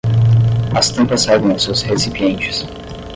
As tampas servem aos seus recipientes